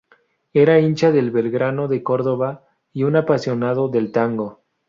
Era hincha de Belgrano de Córdoba, y un apasionado del tango.